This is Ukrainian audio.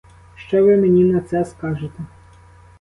Що ви мені на це скажете?